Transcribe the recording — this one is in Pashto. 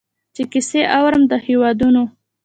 چي کیسې اورم د هیوادونو